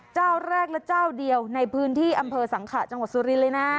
เจ้าแรกและเจ้าเดียวในพื้นที่อำเภอสังขะจังหวัดสุรินทร์เลยนะ